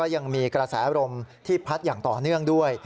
ยังมีกระแสลมที่พัดอย่างต่อเนื่องด้วย